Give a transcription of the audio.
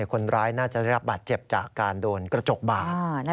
คนร้ายน่าจะได้รับบาดเจ็บจากการโดนกระจกบาด